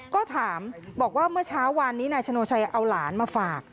ก็ถามบอกว่าเมื่อเช้าวานนี้นายชโนชัยเอาหลานมาฝาก